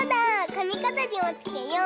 かみかざりもつけよう。